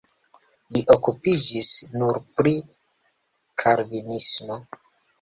Li okupiĝis nur pri kalvinismo.